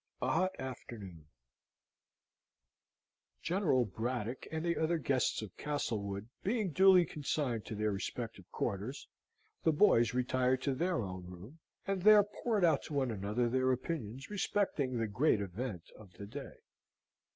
A Hot Afternoon General Braddock and the other guests of Castlewood being duly consigned to their respective quarters, the boys retired to their own room, and there poured out to one another their opinions respecting the great event of the day.